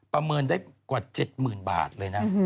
ประเมินได้กว่า๗๐๐๐บาทเลยนะ